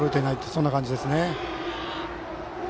そんな感じですね。